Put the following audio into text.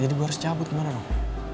jadi gua harus cabut gimana dong